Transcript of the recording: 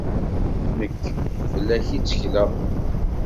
Nekk, fell-ak i ttekleɣ.